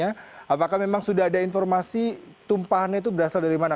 apakah memang sudah ada informasi tumpahannya itu berasal dari mana